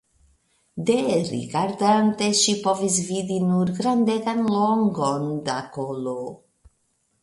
Derigardante, ŝi povis vidi nur grandegan longon da kolo.